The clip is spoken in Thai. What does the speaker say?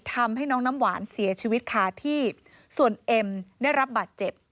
ทำให้น้องน้ำหวานเสียชีวิตคาที่ส่วนเอ็มได้รับบาดเจ็บ